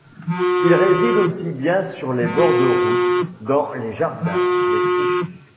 Il réside aussi bien sur les bords de route, dans les jardins, les friches.